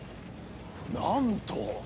なんと！